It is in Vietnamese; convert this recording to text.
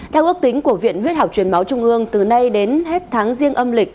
theo ước tính của viện huyết học truyền máu trung ương từ nay đến hết tháng riêng âm lịch